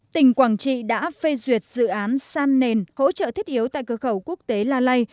tỉnh quảng trị đã phê duyệt dự án san nền hỗ trợ thích yếu tại cửa khẩu quốc tế la lai